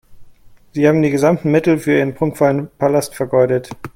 Sie haben die gesamten Mittel für Ihren prunkvollen Palast vergeudet.